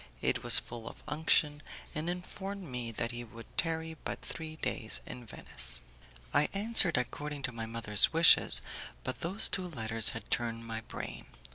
It was full of unction, and informed me that he would tarry but three days in Venice. I answered according to my mother's wishes, but those two letters had turned my brain.